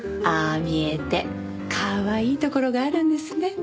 ああ見えてかわいいところがあるんですね。